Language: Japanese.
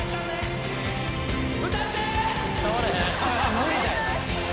無理だよ！